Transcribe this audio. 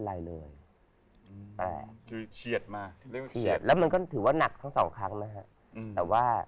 แล้วมันก็ถือว่าหนักทั้ง๒ครั้งนะฮะ